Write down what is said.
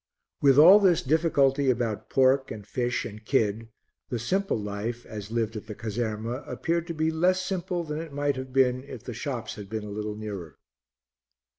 With all this difficulty about pork and fish and kid, the simple life, as lived at the caserma, appeared to be less simple than it might have been if the shops had been a little nearer.